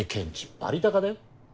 バリ高だよ？